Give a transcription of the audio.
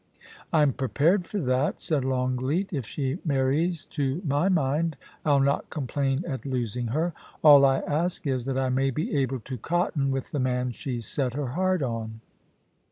Pm prepared for that,' said Longleat * If she marries to my mind, I'll not complain at losing her. All I ask is that I may be able to cotton with the man she's set her heart on.